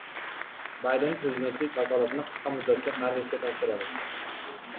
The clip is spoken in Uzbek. Bayden prezidentlik vakolatini qisqa muddatga Harrisga topshiradi